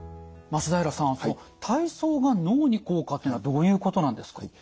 松平さん体操が脳に効果というのはどういうことなんですか？